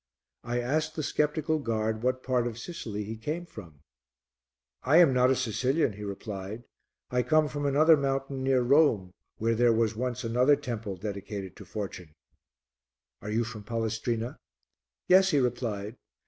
I asked the sceptical guard what part of Sicily he came from. "I am not a Sicilian," he replied, "I come from another mountain near Rome where there was once another temple dedicated to Fortune." "Are you from Palestrina?" "Yes," he replied.